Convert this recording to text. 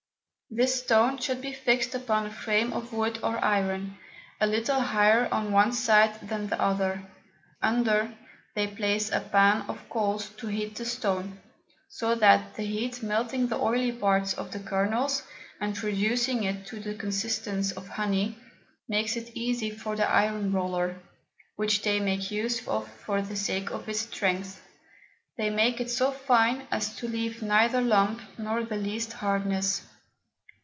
This Stone should be fix'd upon a Frame of Wood or Iron, a little higher on one side than the other: Under, they place a Pan of Coals to heat the Stone, so that the Heat melting the oily Parts of the Kernels, and reducing it to the Consistence of Honey, makes it easy for the Iron Roller, which they make use of for the sake of its Strength, to make it so fine as to leave neither Lump, nor the least Hardness.